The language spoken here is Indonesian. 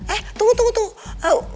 eh tunggu tunggu tunggu